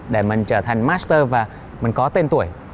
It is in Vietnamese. để mình trở thành master và mình có tên tuổi